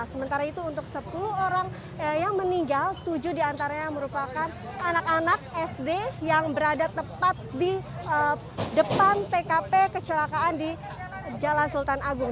sementara itu untuk sepuluh orang yang meninggal tujuh diantaranya merupakan anak anak sd yang berada tepat di depan tkp kecelakaan di jalan sultan agung